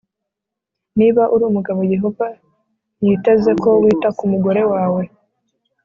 Niba uri umugabo yehova yiteze ko wita ku mugore wawe